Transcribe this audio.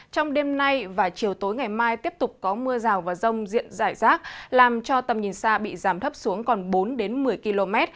trong đêm nay và chiều tối ngày mai tiếp tục có mưa rào và rông diện rải rác làm cho tầm nhìn xa bị giảm thấp xuống còn bốn đến một mươi km